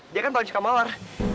dia kan lain lain suka mawar